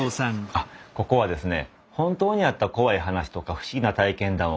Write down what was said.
あっここはですね